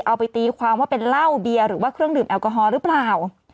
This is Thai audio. เอาไปตีความว่าเป็นเหล้าเบียร์หรือว่าเครื่องดื่มแอลกอฮอลหรือเปล่า